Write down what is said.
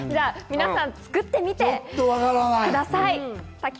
皆さん、作ってみてください。